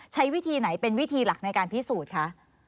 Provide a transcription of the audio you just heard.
ใช้วิธีไหนเป็นวิธีหลักในการพิสูจน์คะ